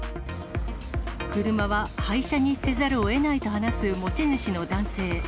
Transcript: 車は廃車にせざるをえないと話す持ち主の男性。